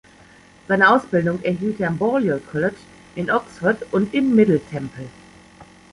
Seine Ausbildung erhielt er am Balliol College in Oxford und im Middle Temple.